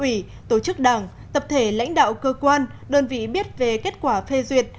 ủy tổ chức đảng tập thể lãnh đạo cơ quan đơn vị biết về kết quả phê duyệt